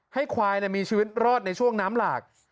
ให้ควายมีชีวิตรอดในช่วงน้ำหลาก